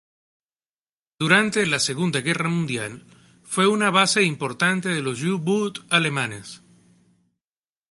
Durante la Segunda Guerra Mundial, fue una base importante de los U-Boot alemanes.